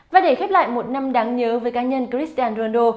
và để khép lại một năm đáng nhớ với cá nhân cristiano ronaldo